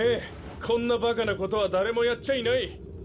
こんなバカなことは誰もやっちゃいない。